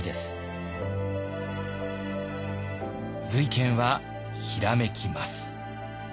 瑞賢はひらめきます。